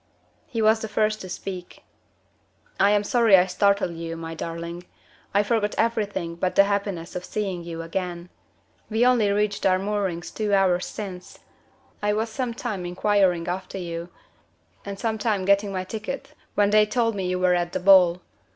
He was the first to speak. "I am sorry I startled you, my darling. I forgot everything but the happiness of seeing you again. We only reached our moorings two hours since. I was some time inquiring after you, and some time getting my ticket when they told me you were at the ball.